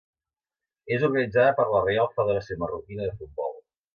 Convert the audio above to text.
És organitzada per la Reial Federació Marroquina de Futbol.